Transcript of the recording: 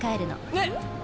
えっ⁉